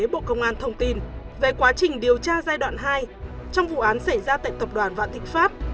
bộ công an thông tin về quá trình điều tra giai đoạn hai trong vụ án xảy ra tại tập đoàn vạn thịnh pháp